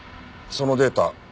そのデータ